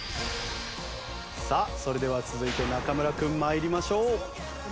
さあそれでは続いて中村君参りましょう。